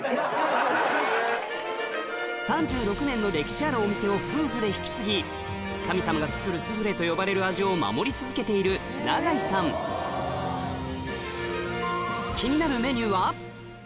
３６年の歴史あるお店を夫婦で引き継ぎ神様が作るスフレと呼ばれる味を守り続けている気になる